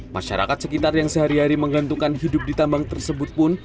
masyarakat sekitar yang sehari hari menggantungkan hidup di tambang tersebut pun